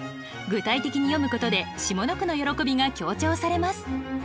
具体的に詠むことで下の句の喜びが強調されます。